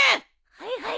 はいはい。